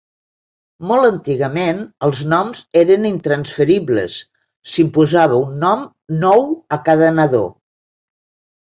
Molt antigament, els noms eren intransferibles: s'imposava un nom nou a cada nadó.